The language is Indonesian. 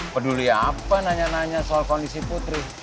peduli apa nanya nanya soal kondisi putri